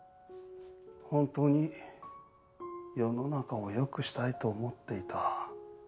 本当に世の中を良くしたいと思っていた。